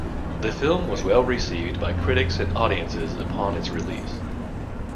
The film was well received by critics and audiences upon its release.